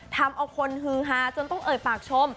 ทำเอาคนฮือฮาจนต้องเอ่ยปากชม